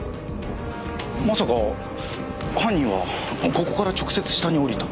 まさか犯人はここから直接下に下りた？